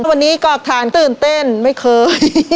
วันนี้กรอกฐานตื่นเต้นไม่เคย